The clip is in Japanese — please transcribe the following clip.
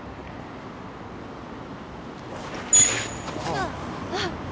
あっあぁ！